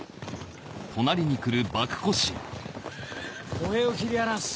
歩兵を切り離す。